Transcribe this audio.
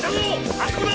あそこだ！